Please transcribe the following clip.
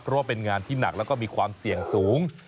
เพราะว่าเป็นงานที่หนักแล้วก็มีความเสี่ยงสูง